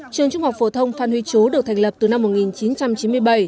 trường trung học phổ thông phan huy chú được thành lập từ năm một nghìn chín trăm chín mươi bảy